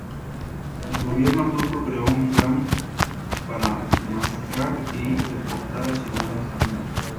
El gobierno turco creó un plan para masacrar y deportar a ciudadanos armenios.